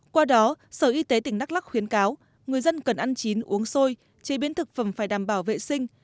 qua đó sở y tế tỉnh đắk lắc khuyến cáo người dân cần ăn chín uống xôi chế biến thực phẩm phải đảm bảo vệ sinh